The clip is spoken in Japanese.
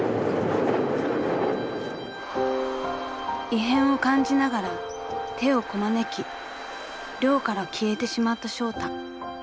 ［異変を感じながら手をこまねき寮から消えてしまったショウタ］